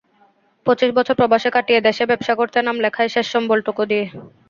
পঁচিশ বছর প্রবাসে কাটিয়ে দেশে ব্যবসা করতে নাম লেখায় শেষ সম্বলটুকু দিয়ে।